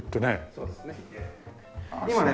そうですね。